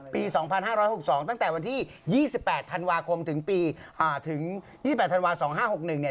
ปี๒๕๖๒ตั้งแต่วันที่๒๘ธันวาคมถึง๒๘ธันวา๒๕๖๑เนี่ย